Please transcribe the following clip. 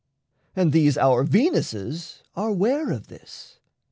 And these our Venuses are 'ware of this.